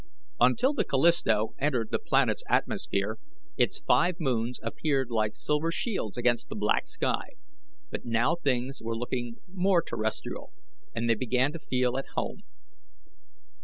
Until the Callisto entered the planet's atmosphere, its five moons appeared like silver shields against the black sky, but now things were looking more terrestrial, and they began to feel at home.